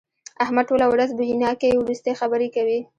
احمد ټوله ورځ بويناکې ورستې خبرې کوي.